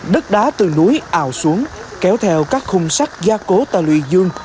đất đá từ núi ảo xuống kéo theo các khung sắt gia cố tà lươi dương